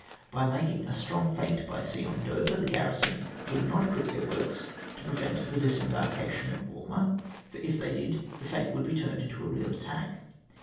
By making a strong feint by sea on Dover, the garrison could not quit then" works to prevent the disem Ijarkation at Walmer, for if tliey chd the feint would be turned into a real attack.